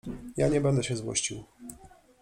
— Ja nie będę się złościł.